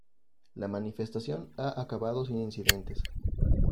La manifestación ha acabado sin incidentes.